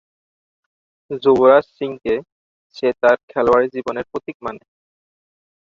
যুবরাজ সিংকে সে তার খেলোয়াড়ী জীবনের প্রতীক মানে।